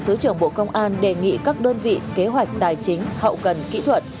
thứ trưởng bộ công an đề nghị các đơn vị kế hoạch tài chính hậu cần kỹ thuật